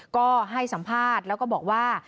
ก็ให้สัมภาษณ์แล้วก็บอกว่า